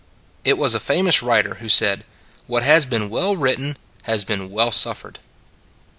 It was a famous writer who said: " What has been well written has been well suffered."